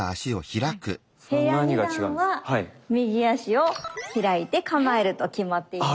平安二段は右足を開いて構えると決まっている。